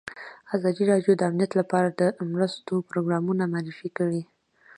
ازادي راډیو د امنیت لپاره د مرستو پروګرامونه معرفي کړي.